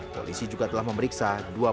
polisi juga telah memeriksa